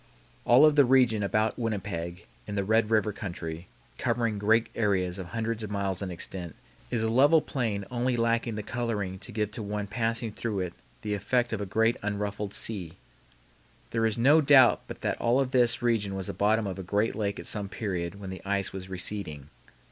All of the region about Winnipeg, in the Red River country, covering great areas of hundreds of miles in extent, is a level plain only lacking the coloring to give to one passing through it the effect of a great unruffled sea. There is no doubt but that all of this region was the bottom of a great lake at some period when the ice was receding.